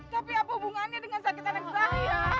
tapi apa hubungannya dengan sakit anak saya